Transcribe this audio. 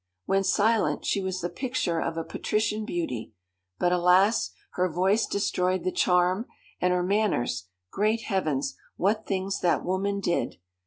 When silent she was the picture of a patrician beauty; but, alas! her voice destroyed the charm, and her manners great heavens, what things that woman did!